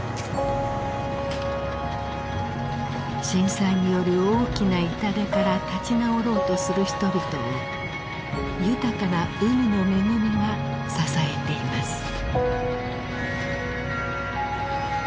震災による大きな痛手から立ち直ろうとする人々を豊かな海の恵みが支えています。